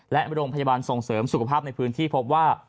และโรงพยาบาลส่งเสริมสุขภาพในพื้นที่พบว่า